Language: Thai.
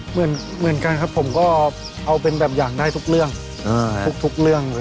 เหมือนกันครับผมก็เอาเป็นแบบอย่างได้ทุกเรื่อง